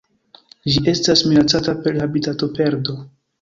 Ĝi estas minacata per habitatoperdo.